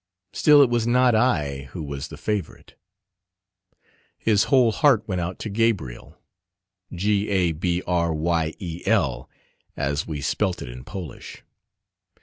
Still it was not I who was the favourite. His whole heart went out to Gabriel Gabryel as we spelt it in Polish.